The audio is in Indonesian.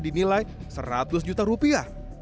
dinilai seratus juta rupiah